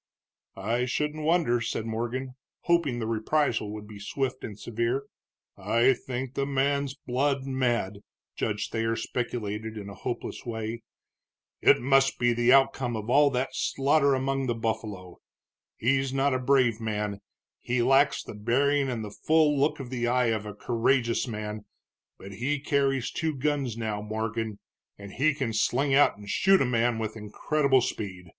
"I shouldn't wonder," said Morgan, hoping the reprisal would be swift and severe. "I think the man's blood mad," Judge Thayer speculated, in a hopeless way. "It must be the outcome of all that slaughter among the buffalo. He's not a brave man, he lacks the bearing and the full look of the eye of a courageous man, but he carries two guns now, Morgan, and he can sling out and shoot a man with incredible speed.